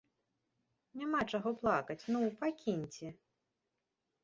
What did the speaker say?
Няма чаго плакаць, ну, пакіньце!